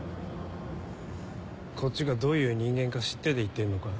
こっちがどういう人間か知ってて言ってんのか？